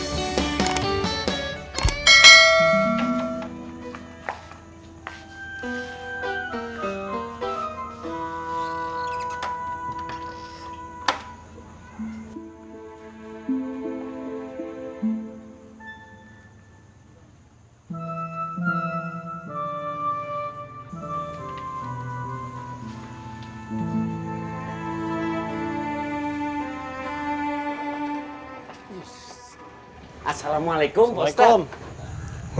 kalau mau jadi sepenuh tcp